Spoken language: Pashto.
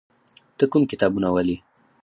ته کوم کتابونه ولې؟